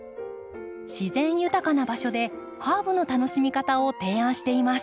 自然豊かな場所でハーブの楽しみ方を提案しています。